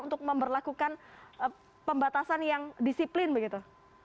untuk memperlakukan pembatasan yang disiplin begitu